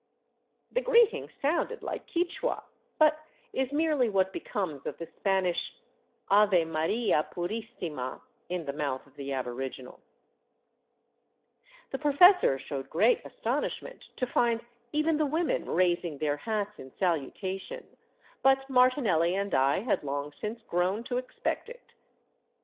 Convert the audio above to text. The greeting sounded like Quichua, but is merely what becomes of the Spanish " Ave Maria Purisima " in the mouth of 456 A FORGOTTEN CITY OF THE ANDES the aboriginal. The professor showed great astonishment to find even the women raising their hats in salutation, but Martinelli and I had long since grown to expect it.